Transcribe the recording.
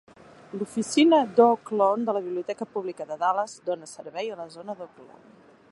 L'oficina d'Oak Lawn de la Biblioteca Pública de Dallas dona servei a la zona d'Oak Lawn.